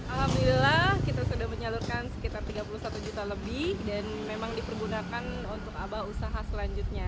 alhamdulillah kita sudah menyalurkan sekitar tiga puluh satu juta lebih dan memang dipergunakan untuk abah usaha selanjutnya